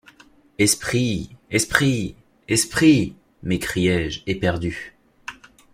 Esprit! esprit ! esprit ! m’écriai-je éperdu.